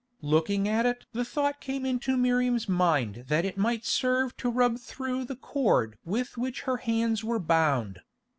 Looking at it the thought came into Miriam's mind that it might serve to rub through the cord with which her hands were bound.